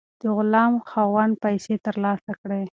د غلام خاوند پیسې ترلاسه کړې.